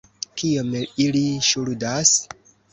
Kiom ili ŝuldas?